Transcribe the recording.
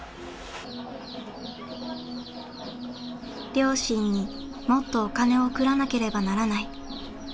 両親にもっとお金を送らなければならない。